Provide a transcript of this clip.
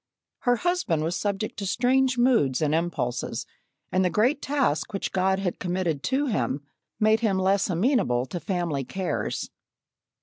Her husband was subject to strange moods and impulses, and the great task which God had committed to him made him less amenable to family cares.